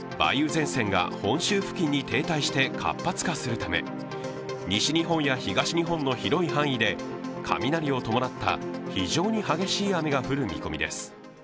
前線が本州付近に停滞して活発化するため、西日本や東日本の広い範囲で雷を伴った非常に激しい雨が降る見込みです。